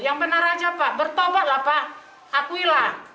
yang benar aja pak bertobat lah pak akuilah